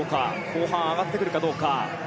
後半上がってくるかどうか。